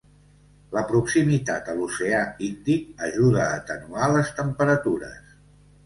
La proximitat a l'oceà Índic ajuda a atenuar les temperatures.